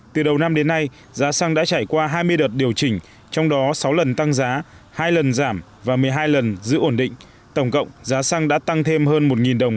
từ đầu năm đến nay giá xăng đã chảy qua hai mươi đợt điều chỉnh trong đó sáu lần tăng giá hai lần giảm và một mươi hai lần giữ ổn định tổng cộng giá xăng đã tăng thêm hơn một đồng mỗi lít so với đầu năm